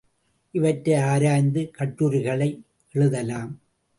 இவற்றை ஆராய்ந்து கட்டுரைகளை எழுதலாம்.